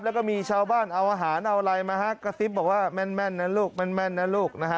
แล้วก็มีชาวบ้านเอาอาหารเอาอะไรมาฮะกระซิบบอกว่าแม่นนะลูกแม่นนะลูกนะฮะ